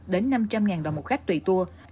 đến năm trăm linh đồng một khách tùy tour